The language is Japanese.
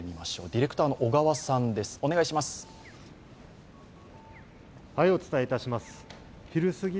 ディレクターの小川さんです。